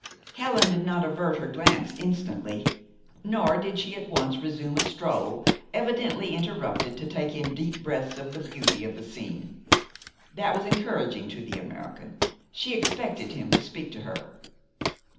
Helen did not avert her glance instantly. Nor did she at once resume a stroll evidently interrupted to take in deep breaths of the beauty of the scene. That was encouraging to the American, she expected him to speak to her.